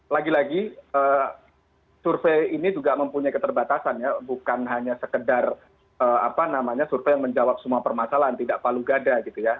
lagi lagi survei ini juga mempunyai keterbatasan ya bukan hanya sekedar apa namanya survei yang menjawab semua permasalahan tidak palu gada gitu ya